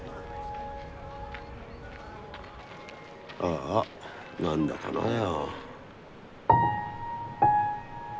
ああ何だかなぁや。